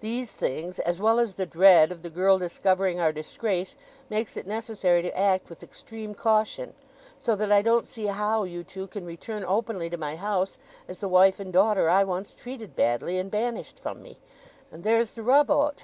"These things, as well as the dread of the girl discovering our disgrace, makes it necessary to act with extreme caution. So that I don't see how you two can return openly to my house as the wife and daughter I once treated badly, and banished from me; and there's the rub o't."